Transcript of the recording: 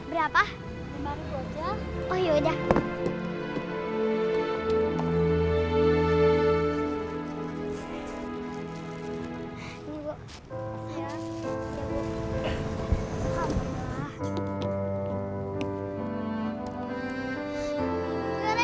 iya bawa beli deh